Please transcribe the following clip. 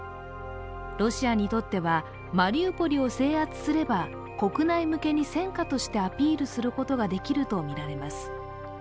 ロシアにとってはマリウポリを制圧すれば国内向けに戦果としてアピールすることができるとみられます。